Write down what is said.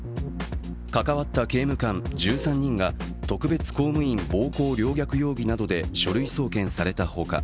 関わった刑務官１３人が特別公務員暴行陵虐容疑などで書類送検されたほか